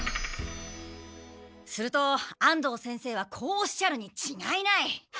すると安藤先生はこうおっしゃるにちがいない。